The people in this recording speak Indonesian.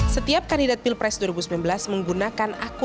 setiap kandidat pilpres dua ribu sembilan belas menggunakan akun